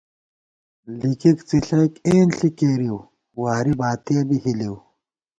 لِکِک څِݪَئیک اېنݪی کېرِؤ، واری باتِیَہ بی ہِلِؤ